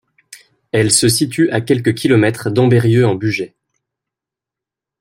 Elle se situe à quelques kilomètres d'Ambérieu-en-Bugey.